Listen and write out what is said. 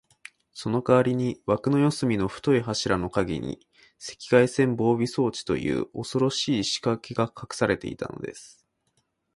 そのかわりに、わくの四すみの太い柱のかげに、赤外線防備装置という、おそろしいしかけがかくされていたのです。